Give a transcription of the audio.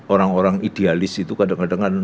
orang orang idealis itu kadang kadang